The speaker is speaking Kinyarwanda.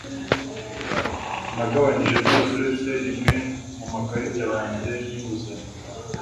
Nagabanije byose uretse imwe mu makarita yanjye yinguzanyo